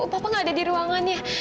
papa nggak ada di ruangannya